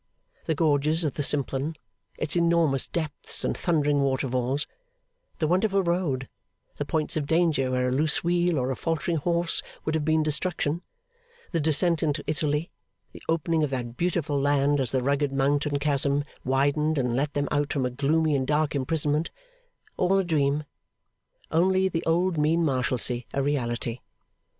The gorges of the Simplon, its enormous depths and thundering waterfalls, the wonderful road, the points of danger where a loose wheel or a faltering horse would have been destruction, the descent into Italy, the opening of that beautiful land as the rugged mountain chasm widened and let them out from a gloomy and dark imprisonment all a dream only the old mean Marshalsea a reality.